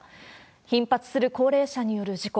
頻発する高齢者による事故。